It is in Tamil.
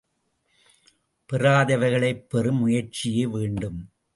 பெறாதவைகளைப் பெறும் முயற்சியும் வேண்டும்.